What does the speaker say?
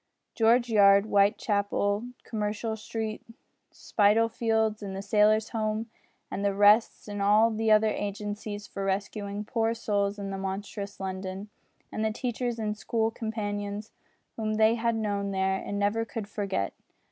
George Yard, Whitechapel, Commercial Street, Spitalfields, and the Sailor's Home, and the Rests, and all the other agencies for rescuing poor souls in monstrous London, and the teachers and school companions whom they had known there and never could forget!